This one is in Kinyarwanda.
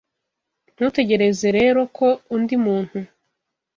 Ntutegereze rero ko undi muntu